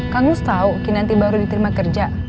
kang mus tau kinanti baru diterima kerja